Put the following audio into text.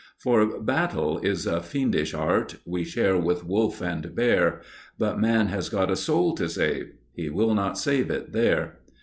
For battle is a fiendish art We share with wolf and bear, But man has got a soul to save He will not save it there.